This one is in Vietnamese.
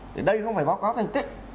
thì đây không phải báo cáo thành tích